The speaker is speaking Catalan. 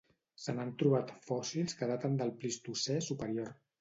Se n'han trobat fòssils que daten del Plistocè superior.